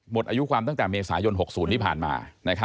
อายุความตั้งแต่เมษายน๖๐ที่ผ่านมา